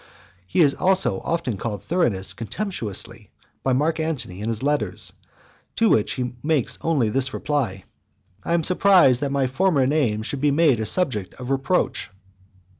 He is also often called Thurinus contemptuously, by Mark Antony in his letters; to which he makes only this reply: "I am surprised that my former name should be made a subject of reproach."